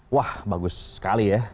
wah bagus sekali ya